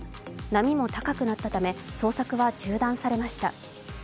波も高くなったため、捜索は中断されました。